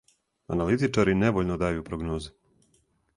Аналитичари невољно дају прогнозе.